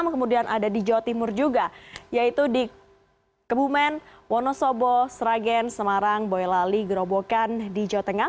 kemudian ada di jawa timur juga yaitu di kebumen wonosobo sragen semarang boyolali gerobokan di jawa tengah